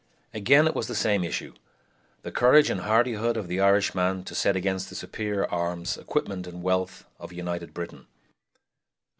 Again it was the same issue: the courage and hardihood of the Irishman to set against the superior arms, equipment, and wealth of a united Britain.